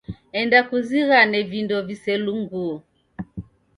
Enda kuzighane vindo viselunguo.